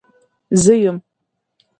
زه يم.